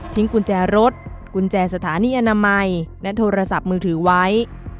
กุญแจรถกุญแจสถานีอนามัยและโทรศัพท์มือถือไว้